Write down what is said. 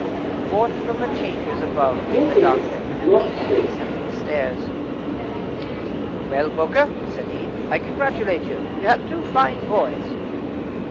Forth from the chamber above came the doctor, and leisurely descended the stairs. "Well, Bowker," said he, "I congratulate you; you have two fine boys."